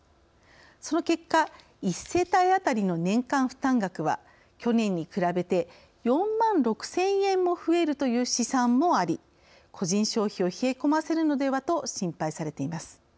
その結果一世帯当たりの年間負担額は去年に比べて４万６０００円も増えるという試算もあり個人消費を冷え込ませるのではと心配されています。